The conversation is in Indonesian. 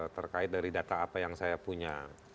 terkait dari data apa yang saya punya